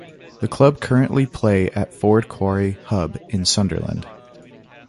The club currently play at Ford Quarry Hub in Sunderland.